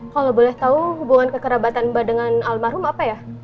kalau boleh tahu hubungan kekerabatan mbak dengan almarhum apa ya